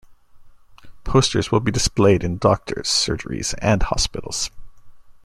Posters will be displayed in doctors' surgeries and hospitals.